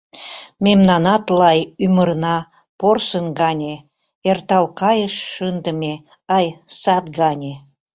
Мемнанат-лай ӱмырна — порсын гане, эртал кайыш шындыме, ай, сад гане.